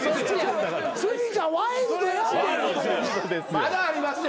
まだありますよ。